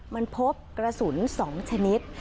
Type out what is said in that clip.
มันพบก็ประสุนสองชนิด